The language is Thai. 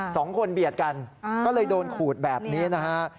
สองคนเบียดกันก็เลยโดนขูดแบบนี้นะฮะ